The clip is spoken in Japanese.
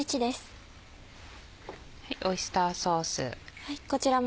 オイスターソース。